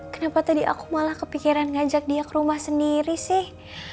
kenapa tadi aku malah kepikiran ngajak dia ke rumah sendiri sih